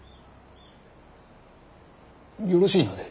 よろしいので？